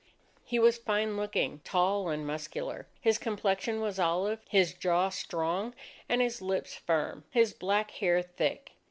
He was fine looking, tall, and muscular. His complexion was olive, his jaw strong, and his lips firm, his black hair thick.